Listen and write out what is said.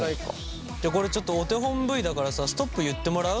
じゃあこれちょっとお手本Ｖだからさストップ言ってもらう？